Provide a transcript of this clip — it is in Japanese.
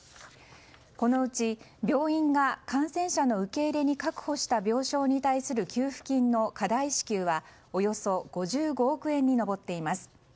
このうち、病院が感染者の受け入れに確保した病床に対する給付金の過大支給はおよそ５５億円に上っています。